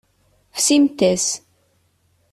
Fsimt-as.